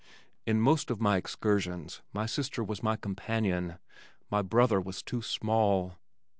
In most of my excursions my sister was my companion. My brother was too small.